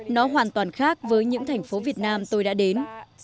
nó hoàn toàn khác với những thành phố việt nam tôi đã đến